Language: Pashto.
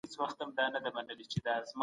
جامي مینځونکی د داغ ډول معلوموي.